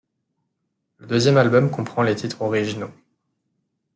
Le deuxième album comprend les titres originaux.